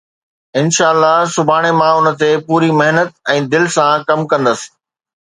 انشاءَ الله، سڀاڻي مان ان تي پوري محنت ۽ دل سان ڪم ڪندس.